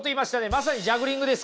まさにジャグリングですか？